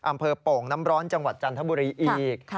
โป่งน้ำร้อนจังหวัดจันทบุรีอีก